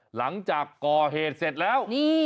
หลังจากก่อเหตุเสร็จแล้ว